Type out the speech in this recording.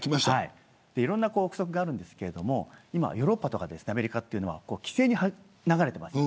いろんな憶測がありますが今、ヨーロッパやアメリカは規制に流れています。